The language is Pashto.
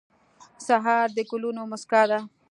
سهار د ګلونو موسکا ده.